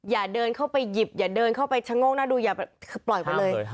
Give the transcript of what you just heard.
อย่าเดินเข้าไปหยิบอย่าเดินเข้าไปชะโงกหน้าดูอย่าปล่อยไปเลย